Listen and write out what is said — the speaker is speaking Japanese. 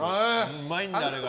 うまいんだ、あれが。